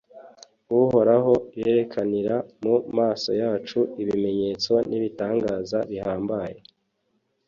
uhoraho yerekanira mu maso yacu ibimenyetso n’ibitangaza bihambaye